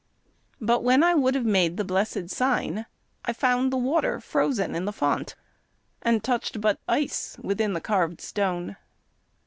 But when I would have made the blessed sign, I found the water frozen in the font, And touched but ice within the carved stone.